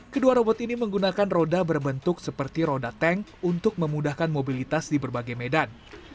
kedua robot ini menggunakan roda berbentuk seperti roda tank untuk memudahkan mobilitas di berbagai medan